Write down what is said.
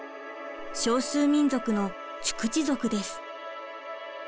少数民族のチュクチ族です。